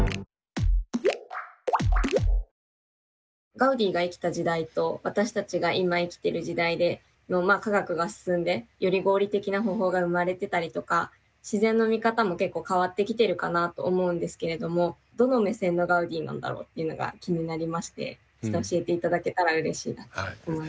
ガウディが生きた時代と私たちが今生きてる時代で科学が進んでより合理的な方法が生まれてたりとか自然の見方も結構変わってきてるかなと思うんですけれどもどの目線のガウディなんだろうっていうのが気になりまして教えて頂けたらうれしいなと思います。